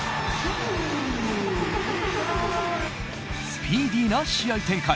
スピーディーな試合展開